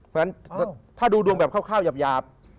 เพราะฉะนั้นถ้าดูดวงแบบคร่าวหยาบ